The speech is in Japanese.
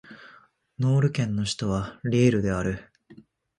ノール県の県都はリールである